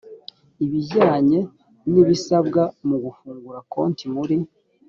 ibijyanye n ibisabwa mu gufungura konti muri